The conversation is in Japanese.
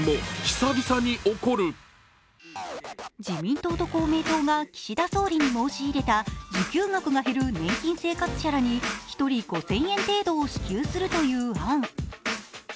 自民党と公明党が岸田総理に申し入れた受給額が減る年金生活者らに１人５０００円程度を支給するという案。